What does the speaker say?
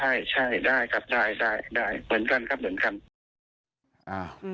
เหมือนกันครับเหมือนกัน